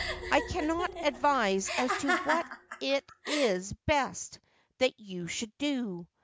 I cannot advise as to what it is best that you should do.